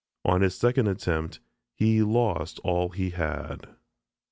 On his second attempt he lost all he had.